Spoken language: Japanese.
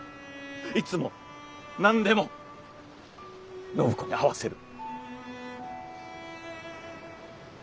いつも何でも暢子に合わせる。